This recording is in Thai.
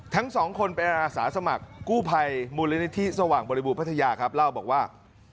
ทั้งสองคนเป็นอาสาสมัครกู้ภัยมูลนิธิสว่างบริบูรพัทยาครับเล่าบอกว่า